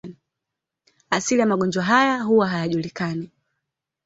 Asili ya magonjwa haya huwa hayajulikani.